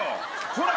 ほら。